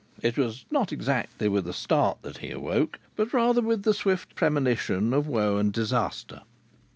It was not exactly with a start that he awoke, but rather with a swift premonition of woe and disaster.